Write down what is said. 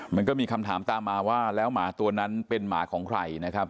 มันก็มีคำถามตามมาว่าแล้วหมาตัวนั้นเป็นหมาของใครนะครับ